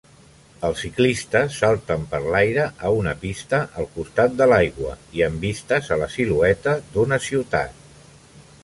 Els ciclistes salten per l'aire a una pista al costat de l'aigua i amb vistes a la silueta d'una ciutat